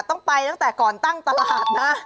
ต้องไปตั้งแต่ก่อนตั้งตลาดนะ